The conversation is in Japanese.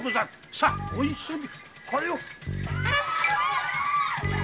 さぁご一緒に！